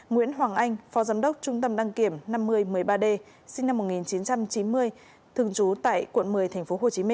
nguyễn hoàng anh phó giám đốc trung tâm đăng kiểm năm mươi một mươi ba d sinh năm một nghìn chín trăm chín mươi thường trú tại quận một mươi tp hcm